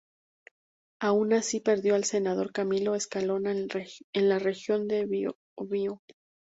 Aun así, perdió al senador Camilo Escalona en la región del Biobío.